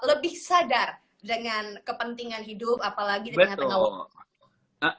lebih sadar dengan kepentingan hidup apalagi di tengah tengah